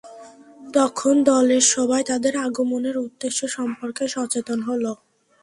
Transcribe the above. তখন দলের সবাই তাদের আগমনের উদ্দেশ্য সম্পর্কে সচেতন হল।